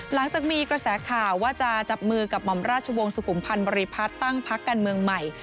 หลังจากมีกระแสข่าวว่าจะจับมือกับหม่อมราชวงศ์สุขุมพันธ์บริพัฒน์ตั้งพักการเมืองใหม่